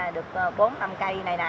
được bốn năm cây này nè